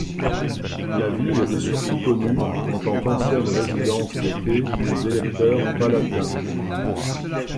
La ville est surtout connue en tant qu'ancienne résidence d'été des électeurs palatins.